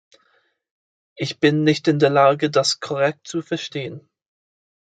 Ich bin nicht in der Lage, das korrekt zu verstehen.